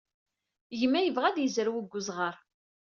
Gma yebɣa ad yezrew deg wezɣer.